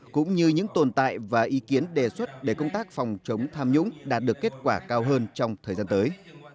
cũng như những tồn tại và ý kiến đề xuất để công tác phòng chống tham nhũng đạt được kết quả cao hơn trong thời gian tới